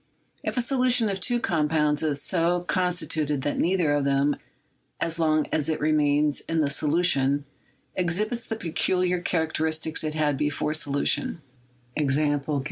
If a solution of two components is so constituted that neither of them, as long as it remains in the solu tion, exhibits the peculiar characteristics it had before solution — e.